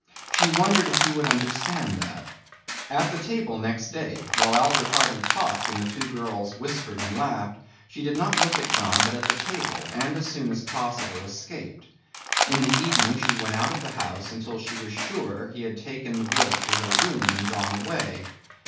She wondered if he would understand that. At the table next day while Albert Hardy talked and the two girls whispered and laughed, she did not look at John but at the table and as soon as possible escaped. In the evening she went out of the house until she was sure he had taken the wood to her room and gone away.